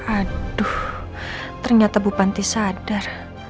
aduh ternyata bu panti sadar